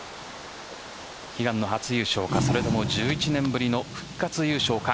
悲願の初優勝かそれとも１１年ぶりの復活優勝か。